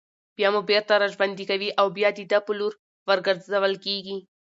بيا مو بېرته راژوندي كوي او بيا د ده په لور ورگرځول كېږئ